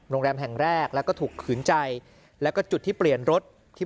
โรงแรมแห่งแรกแล้วก็ถูกขืนใจแล้วก็จุดที่เปลี่ยนรถที่